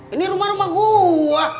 ini rumah rumah gua